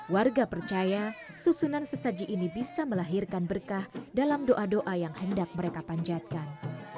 warga percaya susunan sesaji ini bisa melahirkan berkah dalam doa doa yang hendak mereka panjatkan